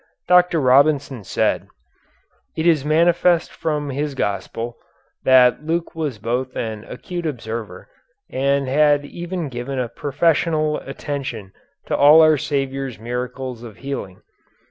Dr. Robinson said: It is manifest from his Gospel, that Luke was both an acute observer, and had even given professional attention to all our Saviour's miracles of healing.